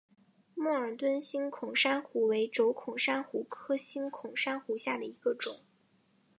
默尔敦星孔珊瑚为轴孔珊瑚科星孔珊瑚下的一个种。